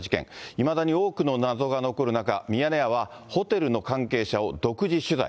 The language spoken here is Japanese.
いまだに多くの謎が残る中、ミヤネ屋はホテルの関係者を独自取材。